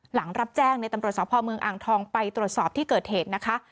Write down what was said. หลังรับแจ้งในตำรวจสพเมืองอ่างทองไปตรวจสอบที่เกิดเหตุนะคะ